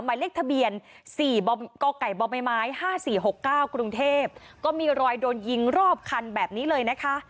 หมายเลขทะเบียน๔กกบไม้๕๔๖๙กรุงเทพก็มีรอยโดนยิงรอบคันแบบนี้เลยนะคะ